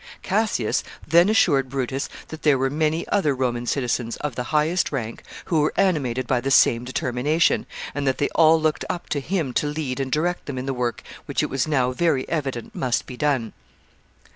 [Sidenote: Arguments of Cassius.] Cassius then assured Brutus that there were many other Roman citizens, of the highest rank, who were animated by the same determination, and that they all looked up to him to lead and direct them in the work which it was now very evident must be done.